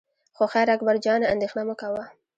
خو خیر اکبر جانه اندېښنه مه کوه.